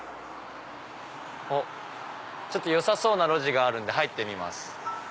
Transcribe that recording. あっちょっとよさそうな路地があるんで入ってみます。